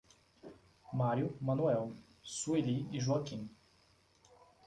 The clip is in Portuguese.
Mário, Manuel. Sueli e Joaquim